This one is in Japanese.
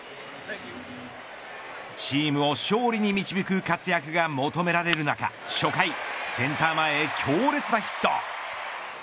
チームを勝利に導く活躍が求められる中、初回センター前へ強烈なヒット。